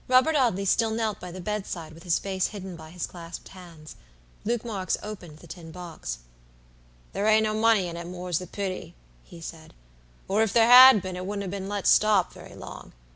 Robert Audley still knelt by the bedside with his face hidden by his clasped hands. Luke Marks opened the tin box. "There ain't no money in it, more's the pity," he said, "or if there had been it wouldn't have been let stop very long.